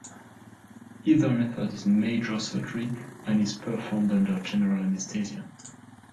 Either method is major surgery and is performed under general anesthesia.